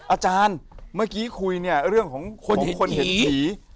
อาจารย์เมื่อกี้คุยเรื่องของคนเห็นผี